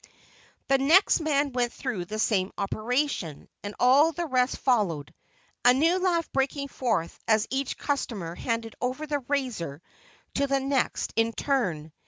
The next man went through the same operation, and all the rest followed; a new laugh breaking forth as each customer handed over the razor to the next in turn.